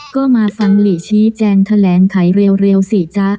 ก็มาฟังหลีชี้แจงแถลงไขเร็วสิจ๊ะ